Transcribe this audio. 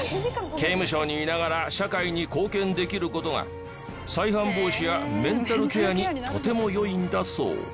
刑務所にいながら社会に貢献できる事が再犯防止やメンタルケアにとても良いんだそう。